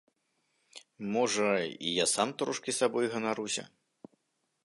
Можа, і я сам трошкі сабой ганаруся.